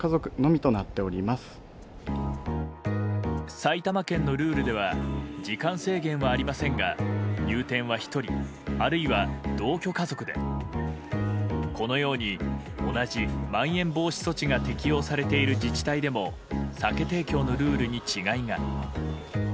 埼玉県のルールでは時間制限はありませんが入店は１人あるいは同居家族でこのように同じまん延防止措置が適用されている自治体でも酒提供のルールに違いが。